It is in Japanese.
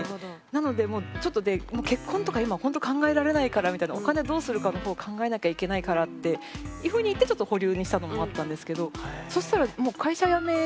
なのでもうちょっとね結婚とか今ほんと考えられないからみたいなお金どうするかの方考えなきゃいけないからっていうふうに言ってちょっと保留にしたのもあったんですけど。